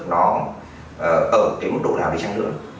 nó ở cái mức độ nào đi chăng nữa